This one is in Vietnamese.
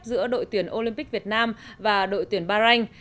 giữa đội tuyển olympic việt nam và đội tuyển bahrain